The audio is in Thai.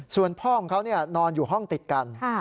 ส่วนพ่อของเขานอนอยู่ห้องติดกัน